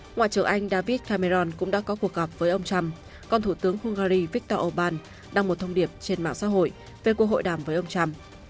ngoại trưởng anh david cameron cũng đã có cuộc gặp với ông trump còn thủ tướng hungary viktor orbán đăng một thông điệp trên mạng xã hội về cuộc hội đàm với ông trump